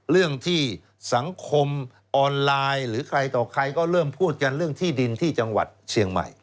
เรื่องที่สังคมออนไลน์หรือใครต่อใครก็เริ่มพูดกันเรื่องที่ดินที่จังหวัดเชียงใหม่